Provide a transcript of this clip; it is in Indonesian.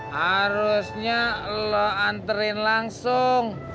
harusnya lu anterin langsung